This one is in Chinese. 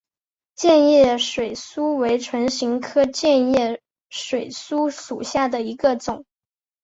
箭叶水苏为唇形科箭叶水苏属下的一个种。